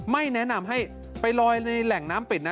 ไม่แนะนำให้ไปลอยในแหล่งน้ำปิดนะ